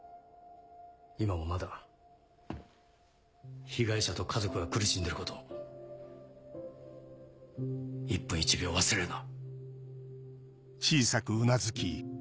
今もまだ被害者と家族が苦しんでること１分１秒忘れるな。